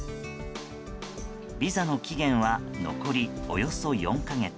ビザの期限は残りおよそ４か月。